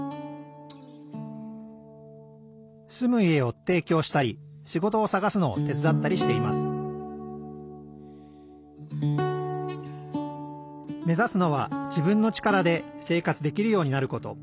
住む家をていきょうしたり仕事をさがすのを手伝ったりしています目指すのは自分の力で生活できるようになること。